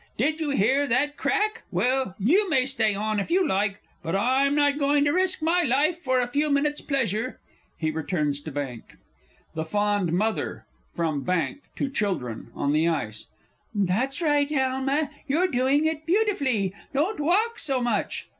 Did you hear that crack? Well, you may stay on if you like, but I'm not going to risk my life for a few minutes' pleasure! [He returns to bank. THE FOND MOTHER (from bank, to CHILDREN on the ice). That's right. Alma, you're doing it beautifully don't walk so much!